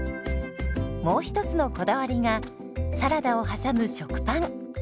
もう一つのこだわりがサラダを挟む食パン。